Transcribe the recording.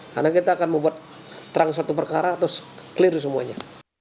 karena kita akan membuat terang suatu perkara atau clear semuanya